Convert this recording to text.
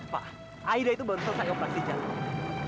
pak aida itu baru selesai operasi jalan